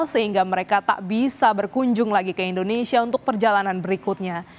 sehingga mereka tak bisa berkunjung lagi ke indonesia untuk perjalanan berikutnya